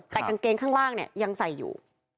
แต่กางเกงข้างล่างเนี่ยยังใส่อยู่